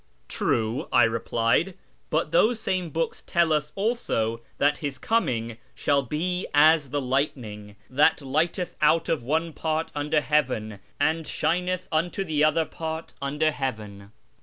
" True," I replied, " but those same books tell us also that His coming shall be ' as the lightning, that lighteneth out of the one "part wilder heaven and shineth unto the other part under heo.ven!